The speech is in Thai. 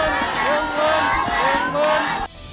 เงินเงิน